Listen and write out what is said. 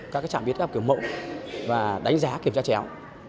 các trạm biết các kiểu mẫu và đánh giá kiểm tra chéo